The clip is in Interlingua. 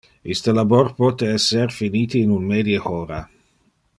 Iste labor pote esser finite in un medie hora.